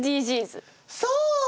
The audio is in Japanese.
そう！